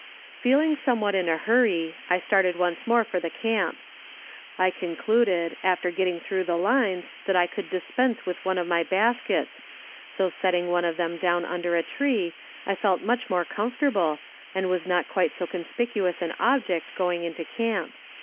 Feeling somewhat in a hurry, I started once more for camp. I concluded after getting through the lines that I could dispense with one of my baskets, so setting one of them down under a tree I felt much more comfortable, and was not quite so conspicuous an object going into camp.